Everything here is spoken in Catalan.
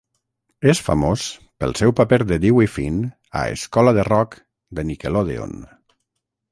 És famós pel seu paper de Dewey Finn a "Escola de rock" de Nickelodeon.